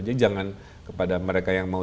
jadi jangan kepada mereka yang mau